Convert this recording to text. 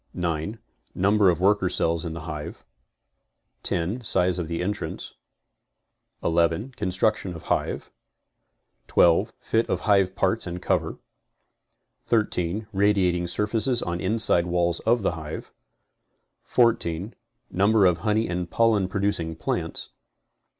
9. Number of worker cells in the hive. 10. Size of entrance. 11. Construction of hive. 12. Fit of hive parts and cover. 13. Radiating surface on inside walls of the hive. 14. Number of honey and pollen producing plants.